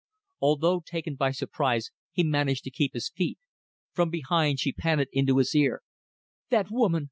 Although taken by surprise, he managed to keep his feet. From behind she panted into his ear "That woman!